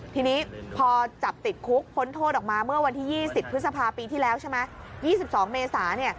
ทีนี้พอจับติดคุกพ้นโทษออกมาเมื่อวันที่๒๐พฤษภาปีที่แล้วใช่ไหม๒๒เมษาเนี่ย